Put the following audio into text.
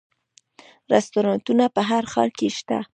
رستورانتونه په هر ښار کې شته